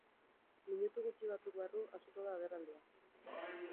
Minutu gutxi batzuk barru hasiko da agerraldia.